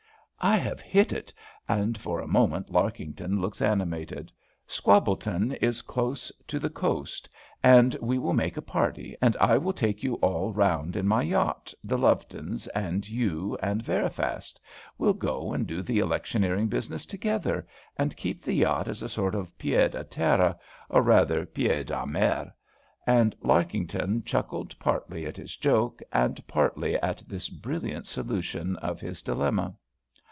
"I have hit it;" and for a moment Larkington looks animated. "Squabbleton is close to the coast, and we will make a party, and I will take you all round in my yacht, the Lovetons and you and Veriphast; we'll go and do the electioneering business together, and keep the yacht as a sort of pied à terre, or rather pied à mer;" and Larkington chuckled, partly at his joke, and partly at this brilliant solution of his dilemma.